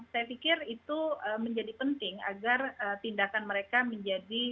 saya pikir itu menjadi penting agar tindakan mereka menjadi